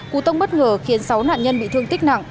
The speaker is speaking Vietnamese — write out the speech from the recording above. cú tông bất ngờ khiến sáu nạn nhân bị thương tích nặng